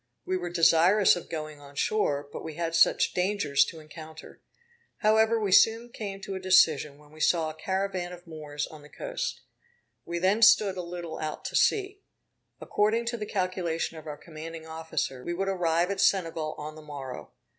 We were desirous of going on shore, but we had such dangers to encounter. However we soon came to a decision, when we saw a caravan of Moors on the coast. We then stood a little out to sea. According to the calculation of our commanding officer, we would arrive at Senegal on the morrow.